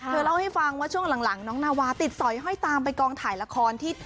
เล่าให้ฟังว่าช่วงหลังน้องนาวาติดสอยห้อยตามไปกองถ่ายละครที่